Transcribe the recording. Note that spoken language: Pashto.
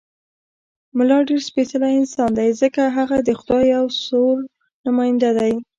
ملا ډېر سپېڅلی انسان دی، ځکه هغه د خدای او رسول نماینده دی.